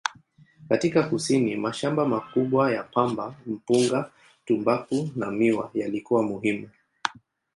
Katika kusini, mashamba makubwa ya pamba, mpunga, tumbaku na miwa yalikuwa muhimu.